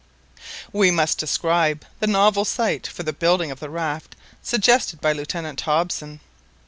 We must describe the novel site for the building of the raft suggested by Lieutenant Hobson.